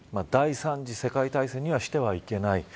第３次世界大戦にはしてはいけない。